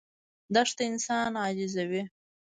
دښته انسان عاجزوي.